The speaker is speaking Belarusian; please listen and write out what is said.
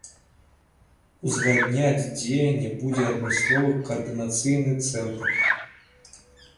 Узгадняць дзеянні будзе адмысловы каардынацыйны цэнтр.